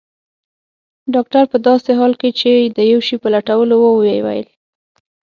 ډاکټر په داسې حال کې چي د یو شي په لټولو وو وویل.